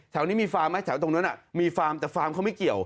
แถวนี้มีฟาร์มไหมแถวตรงนั้นมีฟาร์มแต่ฟาร์มเขาไม่เกี่ยว